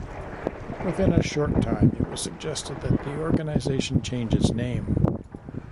Within a short time it was suggested that the organization change its name.